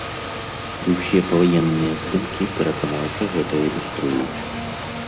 І ўсе паваенныя здымкі пераканаўча гэта ілюструюць.